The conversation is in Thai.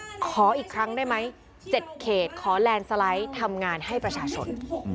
ขออีกครั้งได้ไหม๗เขตขอแลนด์สไลด์ทำงานให้ประชาชน